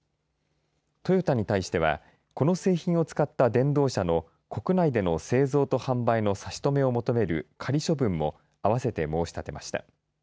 トヨタに対してはこの製品を使った電動車の国内での製造と販売の差し止めを求める仮処分もあわせて申し立てました。